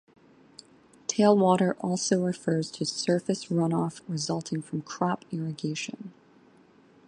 Tailwater also refers to surface runoff resulting from crop irrigation.